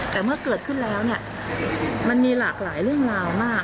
แต่เมื่อเกิดขึ้นแล้วเนี่ยมันมีหลากหลายเรื่องราวมาก